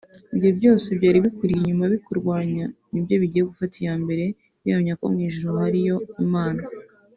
Ibyo byose byari bikuri inyuma bikurwanya ni byo bigiye gufata iya mbere bihamya ko mu ijuru hariyo Imana